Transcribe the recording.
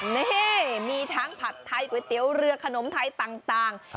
นี่มีทั้งผัดไทยก๋วยเตี๋ยวเรือขนมไทยต่าง